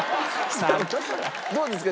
どうですか？